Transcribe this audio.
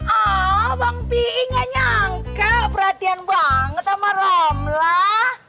awww bang pi'i gak nyangka perhatian banget sama romlah